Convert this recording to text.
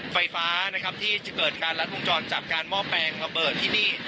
ไฟฟ้านะครับที่จะเกิดการรัดวงจรจากการหม้อแปลงระเบิดที่นี่